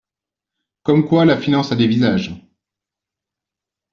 Comme quoi, la finance a des visages.